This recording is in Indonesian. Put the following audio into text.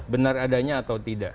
benar adanya atau tidak